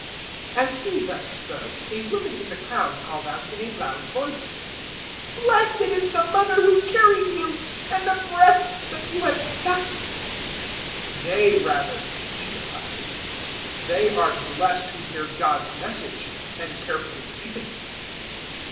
011:027 As He thus spoke a woman in the crowd called out in a loud voice, "Blessed is the mother who carried you, and the breasts that you have sucked." 011:028 "Nay rather," He replied, "they are blessed who hear God's Message and carefully keep it."